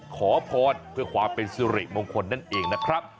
ขอพรเพื่อความเป็นสุริมงคลนั่นเองนะครับ